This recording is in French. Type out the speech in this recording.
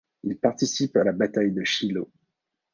Il participe à la bataille de Shiloh.